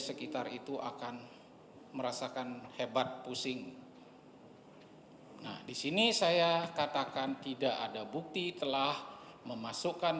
sekitar itu akan merasakan hebat pusing nah disini saya katakan tidak ada bukti telah memasukkan